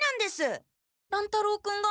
乱太郎君が？